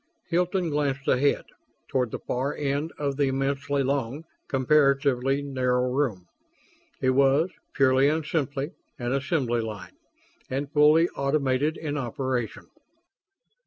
Hilton glanced ahead, toward the far end of the immensely long, comparatively narrow, room. It was, purely and simply, an assembly line; and fully automated in operation.